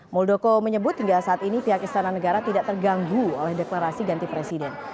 muldoko menyebut hingga saat ini pihak istana negara tidak terganggu oleh deklarasi ganti presiden